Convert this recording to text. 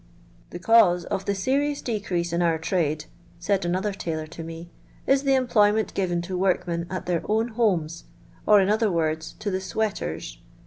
The cause of the lerious decrease in our trade," said another tailor to me, " is the employ ment given to workmen at their own homes ; or, in other words, to the * sweaters.'